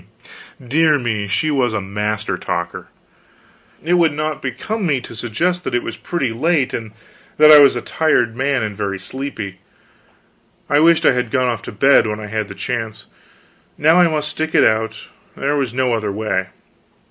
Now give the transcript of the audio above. Dear me, she was a master talker. It would not become me to suggest that it was pretty late and that I was a tired man and very sleepy. I wished I had gone off to bed when I had the chance. Now I must stick it out; there was no other way.